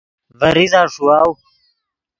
ڤے ریزہ ݰیواؤ